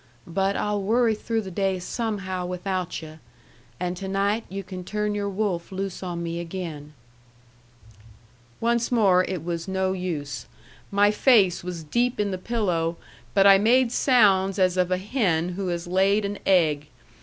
"But I'll worry through the day somehow without yu'. And to night you can turn your wolf loose on me again." Once more it was no use. My face was deep in the pillow, but I made sounds as of a hen who has laid an egg.